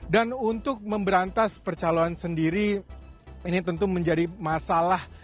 dan untuk memberantas percalonan sendiri ini tentu menjadi masalah